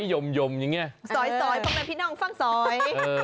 สอยโยมอย่างเงี้ยสอยประมาณพี่น้องฟ่างสอย